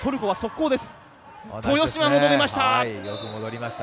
豊島が戻りました。